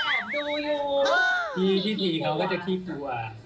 จะแอบดูอยู่พี่ทีพี่พี่เขาก็จะขี้กลัว